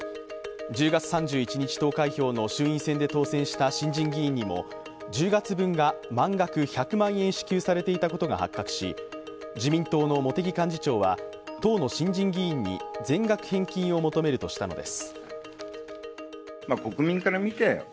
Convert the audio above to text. １０月３１日投開票の衆院選で当選した新人議員にも１０月分が満額１００万円支給されていたことが発覚し自民党の茂木幹事長は党の新人議員に全額返金を求めるとしたのです。